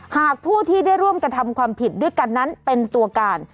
หากผู้ที่ได้ร่วมกระทำความผิดด้วยกันนั้นเป็นตัวการ